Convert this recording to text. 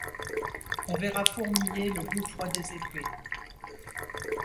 On verra fourmiller le gouffre des épées ;